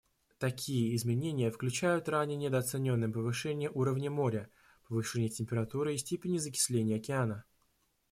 Такие изменения включают ранее недооцененное повышение уровня моря, повышение температуры и степени закисления океана.